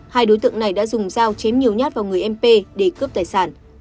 hai đối tượng này đã dùng dao chém nhiều nhát vào người m để cướp tài sản